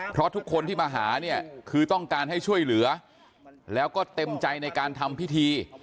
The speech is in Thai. เพราะทุกคนที่มาหาเนี่ยคือต้องการให้ช่วยเหลือแล้วก็เต็มใจในการทำพิธี